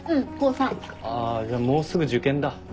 あじゃあもうすぐ受験だ。